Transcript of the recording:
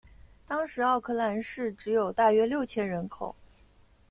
当时奥克兰市只有大约六千人口。